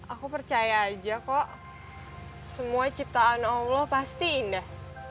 aku percaya aja kok semua ciptaan allah pasti indah